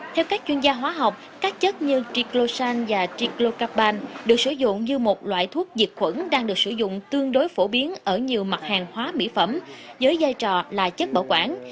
theo các chuyên gia hóa học các chất như triglosan và tiklokabarn được sử dụng như một loại thuốc diệt khuẩn đang được sử dụng tương đối phổ biến ở nhiều mặt hàng hóa mỹ phẩm với giai trò là chất bảo quản